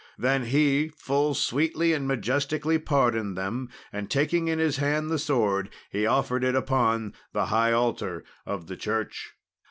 Then he full sweetly and majestically pardoned them; and taking in his hand the sword, he offered it upon the high altar of the church.